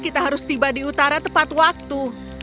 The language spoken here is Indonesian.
tunggu suara apa itu